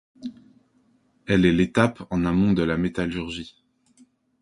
Elle est l'étape amont de la métallurgie.